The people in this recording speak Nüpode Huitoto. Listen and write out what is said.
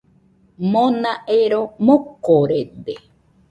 Mona ero mokorede.